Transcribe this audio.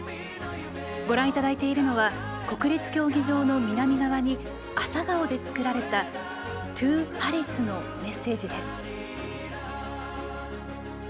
ご覧いただいているのは国立競技場の南側に朝顔で作られた「ＴＯＰＡＲＩＳ」のメッセージです。